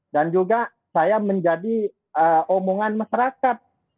dan juga saya menjadi omongan masyarakat